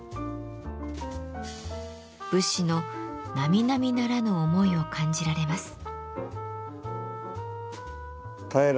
武士の並々ならぬ思いを感じられます。